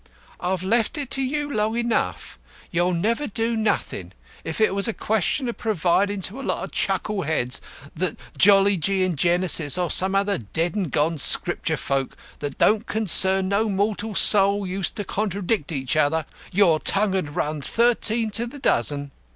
"I've left it to you long enough. You'll never do nothing. If it was a question of provin' to a lot of chuckleheads that Jollygee and Genesis, or some other dead and gone Scripture folk that don't consarn no mortal soul, used to contradict each other, your tongue'ud run thirteen to the dozen.